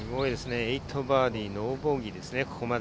８バーディーノーボギーですね、ここまで。